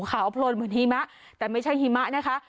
ขาวโพลนเหมือนหิมะแต่ไม่ใช่หิมะนะคะ